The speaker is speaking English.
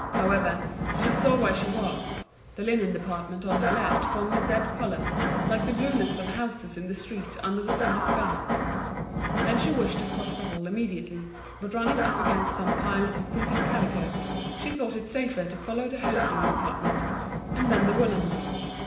However, she saw where she was. The linen department on her left formed a dead colour, like the blueness of houses in the street under a summer sky; then she wished to cross the hall immediately, but running up against some piles of printed calico, she thought it safer to follow the hosiery department, and then the woollen one.